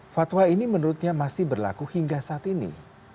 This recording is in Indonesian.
fatwa ini menurutnya masih berlaku hingga saat ini